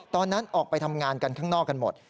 ตอนนั้นออกไปทำงานกันข้างนอกกันหมด